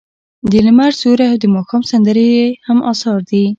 د لمر سیوری او د ماښام سندرې یې هم اثار دي.